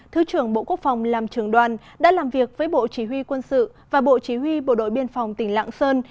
thứ trưởng bộ quốc phòng làm trường đoàn đã làm việc với bộ chỉ huy quân sự và bộ chỉ huy bộ đội biên phòng tỉnh lạng sơn